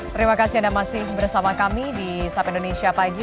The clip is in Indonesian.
terima kasih anda masih bersama kami di sapi indonesia pagi